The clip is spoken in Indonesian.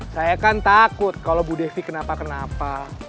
saya kan takut kalau bu devi kenapa kenapa